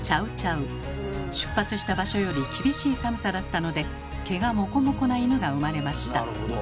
出発した場所より厳しい寒さだったので毛がモコモコなイヌが生まれました。